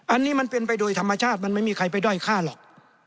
อันนี้มันเป็นไปโดยธรรมชาติมันไม่มีใครไปด้อยฆ่าหรอก